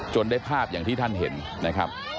ได้ภาพอย่างที่ท่านเห็นนะครับ